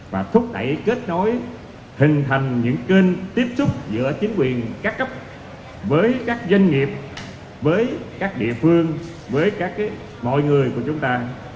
và thúc đẩy kết nối hình thành những kênh tiếp xúc giữa chính quyền các cấp với các doanh nghiệp với các địa phương với các mọi người của chúng ta